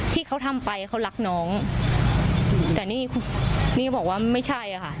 ที่เขาทำไปเขารักน้องแต่นี่นี่บอกว่าไม่ใช่อะค่ะ